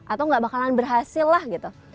atau gak bakalan berhasil lah gitu